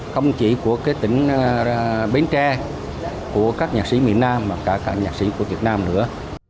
không chỉ của tỉnh bến tre của các nhạc sĩ miền nam mà cả các nhạc sĩ của việt nam nữa